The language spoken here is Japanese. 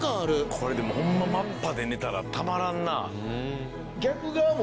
これでもホンママッパで寝たらたまらんな。